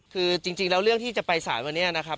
คือจริงแล้วเรื่องที่จะไปสารวันนี้นะครับ